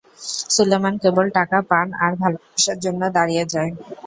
সুলেমান কেবল টাকা, পান আর ভালোবাসার জন্য দাঁড়িয়ে যায়!